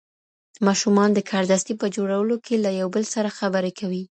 ماشومان د کاردستي په جوړولو کې له یو بل سره خبرې کوي.